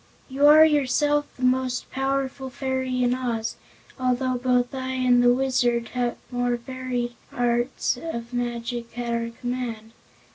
You are yourself the most powerful fairy in Oz, although both I and the Wizard have more varied arts of magic at our command.